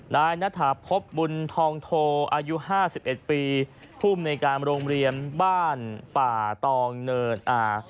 นายณฐาพบบุญทองโทอายุ๕๑ปีภูมิในการโรงเรียนบ้านป่าตองเนินอา